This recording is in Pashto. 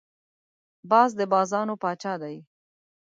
باز د بازانو پاچا دی